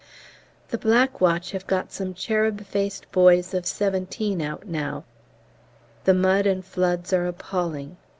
The Black Watch have got some cherub faced boys of seventeen out now. The mud and floods are appalling.